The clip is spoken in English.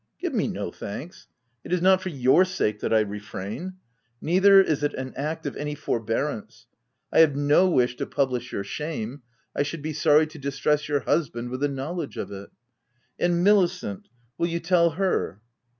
" Give me no thanks ; it is not for your sake that I refrain. Neither is it an act of any for bearance : I have no wish to publish your 312 THE TENANT shame. I should be sorry to distress your husband with the knowledge of it." * And Milicent ? will you tell her?"